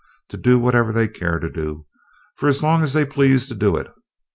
They do whatever they care to do, for as long as they please to do it.